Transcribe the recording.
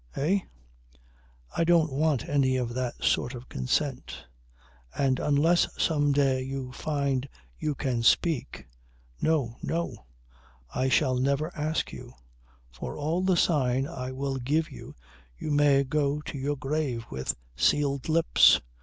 Eh? I don't want any of that sort of consent. And unless some day you find you can speak ... No! No! I shall never ask you. For all the sign I will give you you may go to your grave with sealed lips.